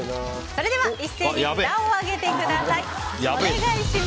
それでは一斉に札を上げてください。